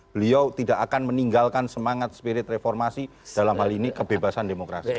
beliau tidak akan meninggalkan semangat spirit reformasi dalam hal ini kebebasan demokrasi